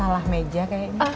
lo mau kerja kayaknya